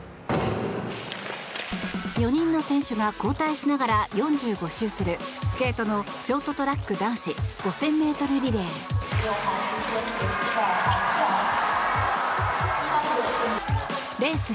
４人の選手が交代しながら４５周するスケートのショートトラック男子５０００ｍリレー。